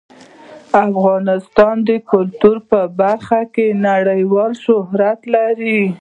افغانستان د کلتور په برخه کې نړیوال شهرت لري.